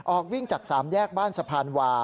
ออกวิ่งจาก๓แยกบ้านสะพานวา